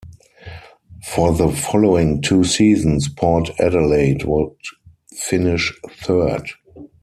For the following two seasons Port Adelaide would finish third.